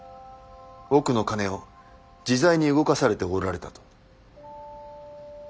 億の金を自在に動かされておられたと。